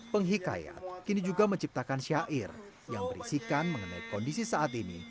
penghikayat kini juga menciptakan syair yang berisikan mengenai kondisi saat ini